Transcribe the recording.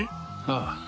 ああ。